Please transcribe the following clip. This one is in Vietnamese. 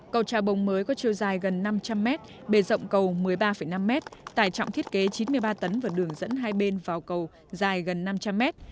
cầu trà bồng mới có chiều dài gần năm trăm linh mét bề rộng cầu một mươi ba năm mét tài trọng thiết kế chín mươi ba tấn và đường dẫn hai bên vào cầu dài gần năm trăm linh mét